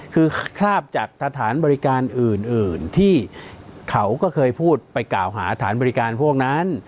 คือทราบจากสถานบริการอื่นที่เขาก็เคยพูดไปกล่าวหาฐานบริการพวกนั้น